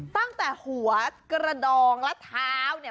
ตั้งแต่หัวกระดองและเท้าเนี่ย